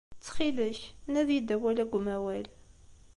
Ttxil-k, nadi-d awal-a deg umawal.